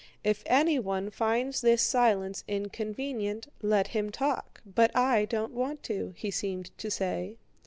"If anyone finds this silence inconvenient, let him talk, but I don't want to," he seemed to say.